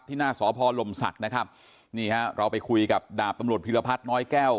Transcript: หน้าสพลมศักดิ์นะครับนี่ฮะเราไปคุยกับดาบตำรวจพิรพัฒน์น้อยแก้ว